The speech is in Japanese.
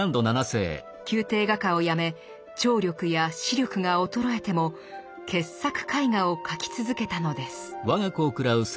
宮廷画家を辞め聴力や視力が衰えても傑作絵画を描き続けたのです。